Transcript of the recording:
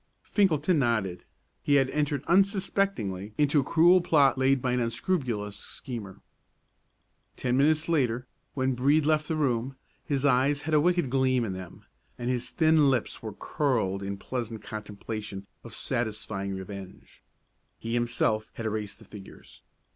Finkelton nodded. He had entered unsuspectingly into a cruel plot laid by an unscrupulous schemer. Ten minutes later, when Brede left the room, his eyes had a wicked gleam in them, and his thin lips were curled in pleasant contemplation of satisfying revenge. He himself had erased the figures.